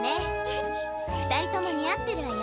二人とも似合ってるわよ。